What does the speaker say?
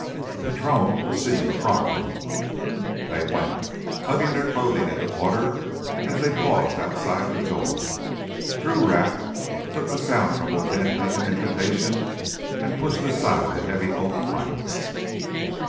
"The patrón will see you, pronto!" They went, tugging their clothing into order as they paused outside the door. Drew rapped, took the sound from within as an invitation, and pushed aside the heavy oak planks.